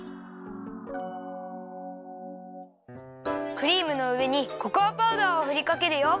クリームのうえにココアパウダーをふりかけるよ。